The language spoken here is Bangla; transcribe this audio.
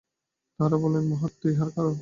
তাঁহারা বলেন, মহত্তত্ত্বই ইহার কারণ।